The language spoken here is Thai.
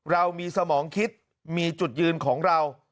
เรามีสมองคิดมีจุดยืนของเรา